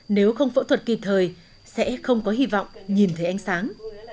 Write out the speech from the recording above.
nếu không phẫu thuật kịp thời sẽ không có hy vọng nhìn thấy ánh sáng